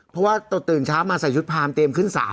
เพราะว่าตกตื่นเช้ามาใส่ชุดพรามเตรียมขึ้นศาล